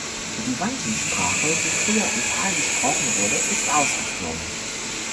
Die Vanji-Sprache, die früher im Tal gesprochen wurde, ist ausgestorben.